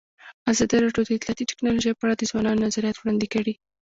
ازادي راډیو د اطلاعاتی تکنالوژي په اړه د ځوانانو نظریات وړاندې کړي.